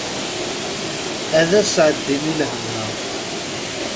Ad as-iɛeddin lhem-a!